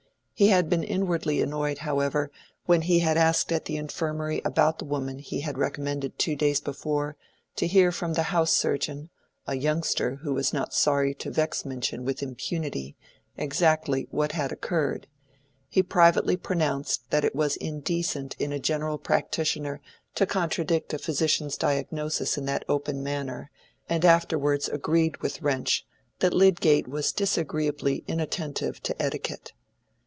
He had been inwardly annoyed, however, when he had asked at the Infirmary about the woman he had recommended two days before, to hear from the house surgeon, a youngster who was not sorry to vex Minchin with impunity, exactly what had occurred: he privately pronounced that it was indecent in a general practitioner to contradict a physician's diagnosis in that open manner, and afterwards agreed with Wrench that Lydgate was disagreeably inattentive to etiquette.